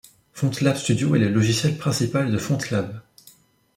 FontLab Studio est le logiciel principal de FontLab.